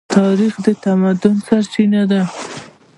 تاریخ د تمدن سرچینه ده.